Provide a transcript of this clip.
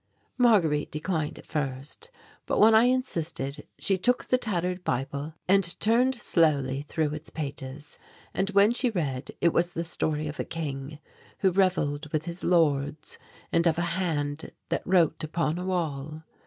Marguerite declined at first; but, when I insisted, she took the tattered Bible and turned slowly through its pages. And when she read, it was the story of a king who revelled with his lords, and of a hand that wrote upon a wall.